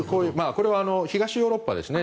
これは東ヨーロッパですね。